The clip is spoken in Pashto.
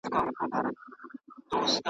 بس د اوښکو په لمن کي په خپل زخم کی اوسېږم .